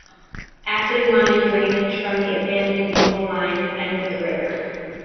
Acid mine drainage from the abandoned Eagle Mine has entered the river.